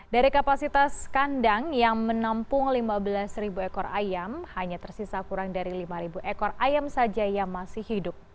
dari kapasitas kandang yang menampung lima belas ekor ayam hanya tersisa kurang dari lima ekor ayam saja yang masih hidup